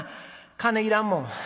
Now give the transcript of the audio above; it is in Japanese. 金いらんもん」。